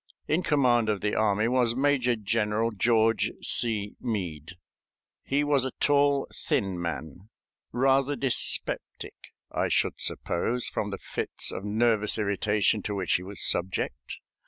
In command of the army was Major General George C. Meade. He was a tall, thin man, rather dyspeptic, I should suppose from the fits of nervous irritation to which he was subject.